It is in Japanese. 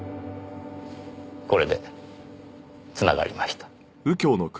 これで繋がりました。